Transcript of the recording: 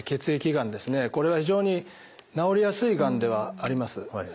これは非常に治りやすいがんではあります。